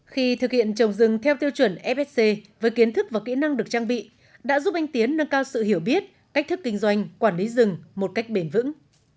khi thực hiện trồng rừng theo tiêu chuẩn fsc với kiến thức và kỹ năng được trang bị đã giúp anh tiến nâng cao sự hiểu biết cách thức kinh doanh quản lý rừng một cách bền vững